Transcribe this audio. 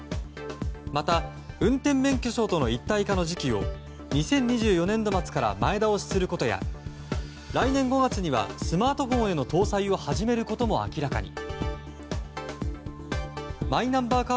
また、運転免許証との一体化の時期を２０２４年度末から前倒しすることや来年５月にはスマートフォンへの搭載を始めることも明らかに。